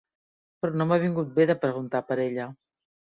Però no m'ha vingut bé de preguntar per ella.